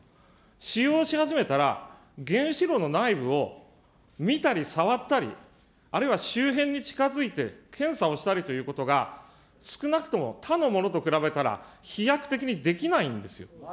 使用し始めたら、原子炉の内部を見たり触ったり、あるいは周辺に近づいて検査をしたりということが、少なくとも他のものと比べたら飛躍的にできないんですよ。